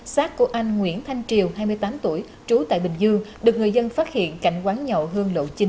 xác của anh nguyễn thanh triều hai mươi tám tuổi trú tại bình dương được người dân phát hiện cạnh quán nhậu hương lộ chín